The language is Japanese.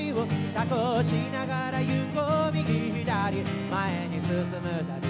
「蛇行しながらいこう右左前に進むたび」